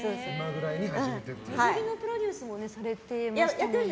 水着のプロデュースもされてましたよね。